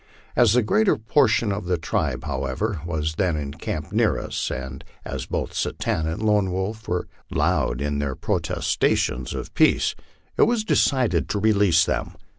As the greater portion of the tribe, however, was then encamped near us, and as both Satanta and Lone Wolf were loud in their protestations of peace, it was decided to re lease them.